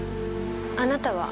あなたは？